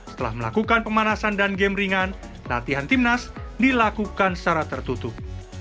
setelah melakukan pemanasan dan game ringan latihan timnas dilakukan secara tertutup